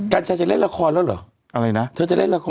กัญชัยจะเล่นละครแล้วเหรออะไรนะเธอจะเล่นละคร